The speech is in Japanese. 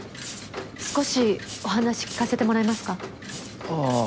少しお話聞かせてもらえますか？